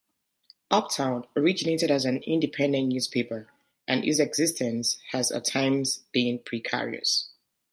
"Uptown" originated as an independent newspaper, and its existence has at times been precarious.